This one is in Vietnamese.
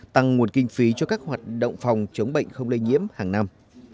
tăng nguồn kinh phí cho các hoạt động phòng chống bệnh không lây nhiễm hàng năm